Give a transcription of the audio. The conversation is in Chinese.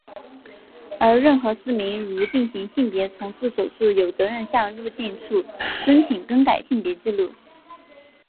而任何市民如进行性别重塑手术有责任向入境处申请更改性别纪录。